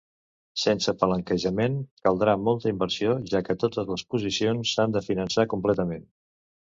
Sense palanquejament, caldrà molta inversió, ja que totes les posicions s'han de finançar completament.